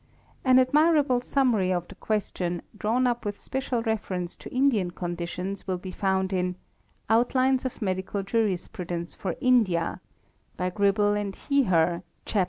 An admirable summary of the question, drawn up with special reference to Indian conditions, will be found in "Outlines 'of Medical Jurisprudence for India" by Gribble & Hehir, Chap.